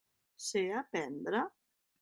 Sé aprendre?